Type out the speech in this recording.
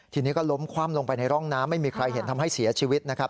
ทีนี้ก็ล้มคว่ำลงไปในร่องน้ำไม่มีใครเห็นทำให้เสียชีวิตนะครับ